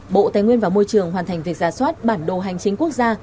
bộ tài nguyên và môi trường hoàn thành việc giả soát bản đồ hành chính quốc gia